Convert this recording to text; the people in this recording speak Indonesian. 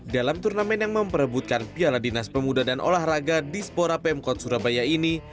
dalam turnamen yang memperebutkan piala dinas pemuda dan olahraga di spora pemkot surabaya ini